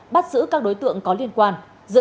bắt giữ các đối tượng có liên quan